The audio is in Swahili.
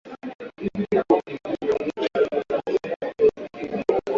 Ba nduku yangu bote beko na mashamba